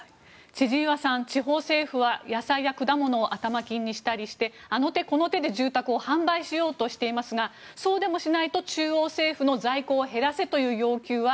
千々岩さん、地方政府は野菜や果物を頭金にしたりしてあの手この手で住宅を販売しようとしていますがそうでもしないと中央政府の在庫を減らせという要求は